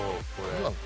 なんなん？